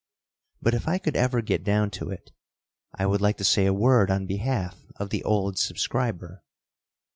But if I could ever get down to it, I would like to say a word on behalf of the old subscriber.